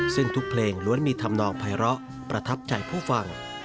ซึ่งทุกเพลงล้วนมีธรรมนองภัยร้อประทับใจผู้ฟัง